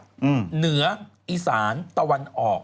เหนืออีสานตะวันออก